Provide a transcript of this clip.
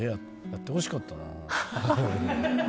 やってほしかったな。